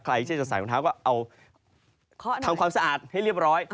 เช่นจะใส่รองเท้าก็เอาทำความสะอาดให้เรียบร้อย